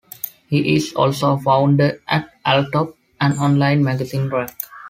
He is also a founder at Alltop, an online magazine rack.